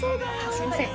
すいません。